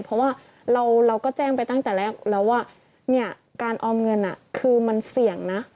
เพราะว่าเราก็แจ้งไปตั้งแต่แรกแล้วว่าการออมเงินคือมันเสี่ยงนะ